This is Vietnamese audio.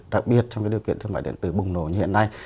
đặc biệt trong cái điều kiện thương mại điện tử bùng nổ như hiện nay